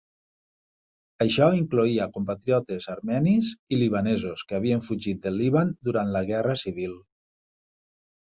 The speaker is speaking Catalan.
Això incloïa compatriotes armenis i libanesos que havien fugit del Líban durant la Guerra Civil.